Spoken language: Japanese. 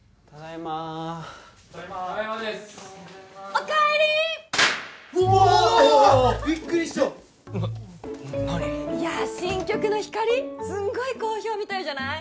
いやあ新曲の「ＨＩＫＡＲＩ」すんごい好評みたいじゃない？